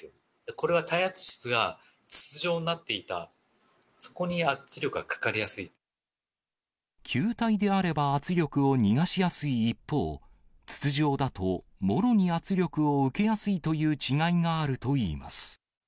これは耐圧室が筒状になっていた、球体であれば圧力を逃がしやすい一方、筒状だともろに圧力を受けやすいという違いがあるといいます。